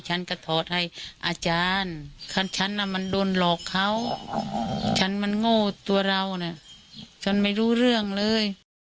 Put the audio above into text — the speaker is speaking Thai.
ฉันก็ถอดให้อาจารย์ฉันน่ะมันโดนหลอกเขาฉันมันโง่ตัวเรานะฉันไม่รู้เรื่องเลย